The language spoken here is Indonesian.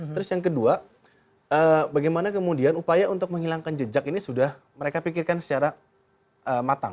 terus yang kedua bagaimana kemudian upaya untuk menghilangkan jejak ini sudah mereka pikirkan secara matang